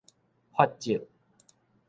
法則